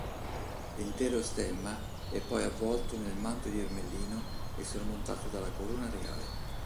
L'intero stemma è poi avvolto nel manto di ermellino e sormontato dalla corona regale.